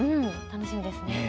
楽しみですね。